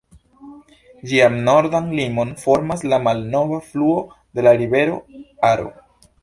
Ĝian nordan limon formas la malnova fluo de la rivero Aro.